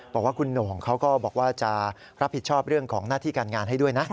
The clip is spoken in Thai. บอกว่าคุณโหน่งเขาก็บอกว่าจะรับผิดชอบเรื่องของหน้าที่การงานให้ด้วยนะ